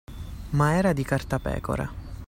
Ma era di cartapecora